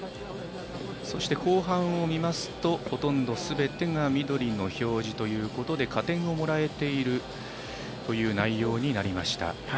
そして後半を見ますとほとんどすべてが緑の表示ということで加点をもらえている内容です。